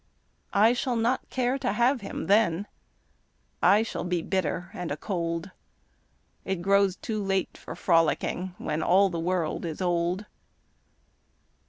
I shall not care to have him then, I shall be bitter and a cold It grows too late for frolicking When all the world is old.